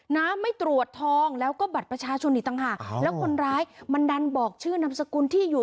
น้ำไม่ตรวจทองแล้วก็บัตรประชาชนอีกต่างหากแล้วคนร้ายมันดันบอกชื่อนามสกุลที่อยู่